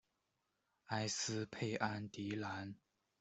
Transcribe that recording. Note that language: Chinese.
埃斯佩安迪兰。